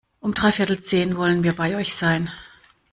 Um dreiviertel zehn wollen wir bei euch sein.